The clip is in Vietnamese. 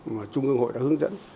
mà trung ương hội đã hướng dẫn